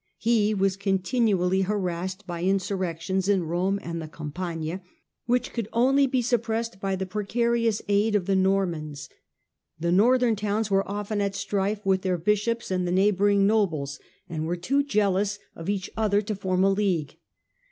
He was continually harassed by insurrections in Rome and the Oampagna, which could only be sup pressed by the precarious aid of the Normans. The northern towns were ofljen at strife with their bishops and the neighbouring nobles, and were too jealous of Digitized by VjOOQIC Contest of Henry K with the Pope 191 I i each other to form a league.